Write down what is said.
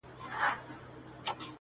چي يې درې مياشتي د قدرت پر تخت تېرېږي.!